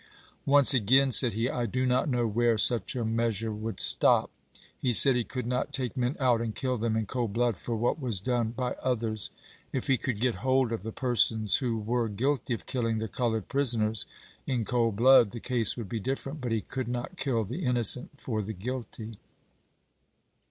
" Once begun," said he, " I do not know where such a measure would stop." He said he could not take men out and kill them in cold blood for what was done by others. If he could get hold of the persons who were guilty of killing the colored prisoners in cold blood the case would be different, but he could not kill the innocent for the guilty.